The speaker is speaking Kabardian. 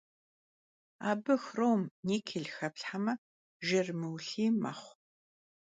Абы хром, никель хэплъхьэмэ, жыр мыулъий мэхъу.